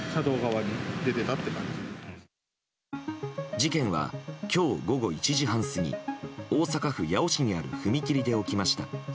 事件は今日午後１時半過ぎ大阪府八尾市にある踏切で起きました。